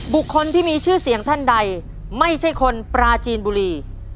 คนที่มีชื่อเสียงท่านใดไม่ใช่คนปราจีนบุรี